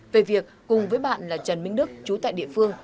về việc cùng với bạn là trần minh đức chú tại địa phương